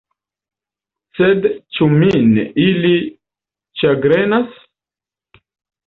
Sed ĉu Min ili ĉagrenas?